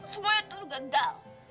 semuanya tuh gagal